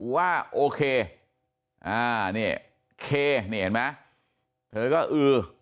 ว่าโอเคเค้ทืก็อื่อ